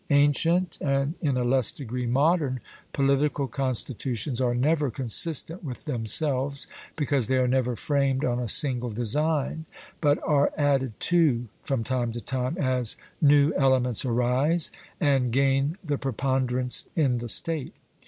Ancient, and in a less degree modern political constitutions, are never consistent with themselves, because they are never framed on a single design, but are added to from time to time as new elements arise and gain the preponderance in the state.